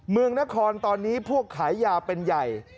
เมืองนครตอนนี้พวกขายยาเป็นใหญ่